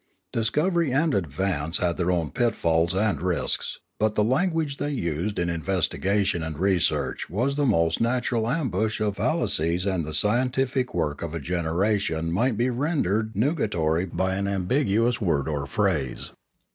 Dis covery and advance had their own pitfalls and risks; but the language they used in investigation and re search was the most natural ambush of fallacies and the scientific work of a generation might be rendered nuga tory by an ambiguous word or phrase.